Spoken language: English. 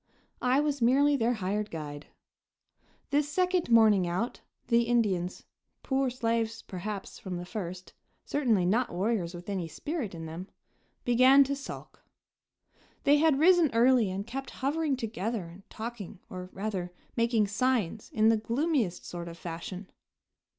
I was merely their hired guide. This second morning out, the Indians poor slaves, perhaps, from the first, certainly not warriors with any spirit in them began to sulk. They had risen early and kept hovering together and talking, or, rather, making signs in the gloomiest sort of fashion.